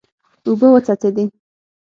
اوبه وڅڅېدې.